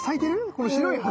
この白い花？